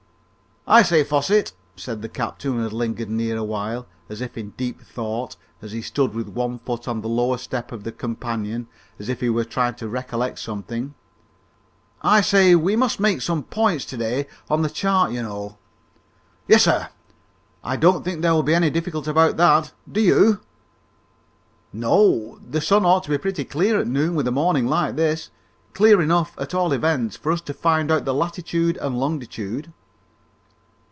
"I say, Fosset," said the captain, who had lingered near awhile, as if in deep thought, as he stood with one foot on the lower step of the companion as if he were trying to recollect something, "I say, we must make some points to day on the chart, you know!" "Yes, sir. I don't think there'll be any difficulty about that. Do you?" "No; the sun ought to be pretty clear at noon with a morning like this clear enough, at all events, for us to find out the latitude and longitude."